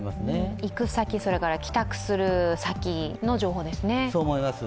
行く先、帰宅する先の情報ですね。